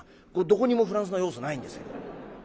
どこにもフランスの要素ないんですけど。